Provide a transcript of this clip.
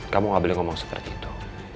kamu gak boleh ngomong seperti itu